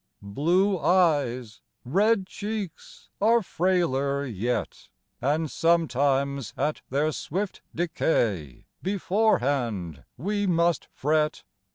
Blue eyes, red cheeks, are frailer yet; And sometimes at their swift decay Beforehand we must fret.